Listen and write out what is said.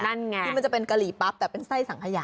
นั่นไงคือมันจะเป็นกะหรี่ปั๊บแต่เป็นไส้สังขยะ